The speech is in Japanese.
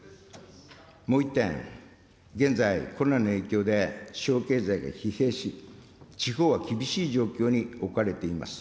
もう１点、現在、コロナの影響で地方経済が疲弊し、地方は厳しい状況に置かれています。